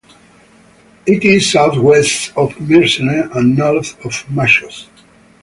It is southwest of Myrsini and north of Machos.